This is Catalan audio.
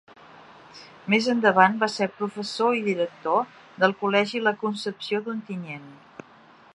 Més endavant va ser professor i director del col·legi la Concepció d'Ontinyent.